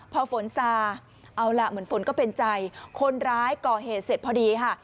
พอฝนซาเอาล่ะเหมือนฝนก็เป็นใจคนร้ายก่อเหตุเสร็จพอดีค่ะ